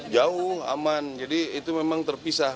jauh aman jadi itu memang terpisah